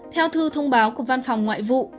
theo thư thông báo của văn phòng ngoại vụ